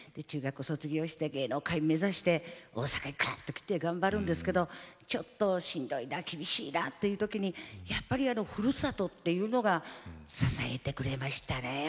中学を卒業して芸能界目指して大阪に来て頑張るんですけどちょっとしんどいな厳しいなっていう時にやっぱりふるさとっていうのが支えてくれましたね。